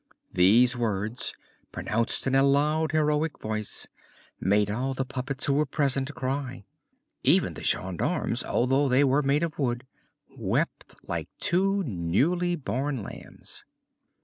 These words, pronounced in a loud, heroic voice, made all the puppets who were present cry. Even the gendarmes, although they were made of wood, wept like two newly born lambs.